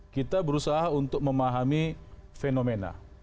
kita berusaha untuk memahami fenomena